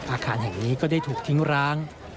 อาคารแห่งนี้ก็ได้ถูกทิ้งร้าง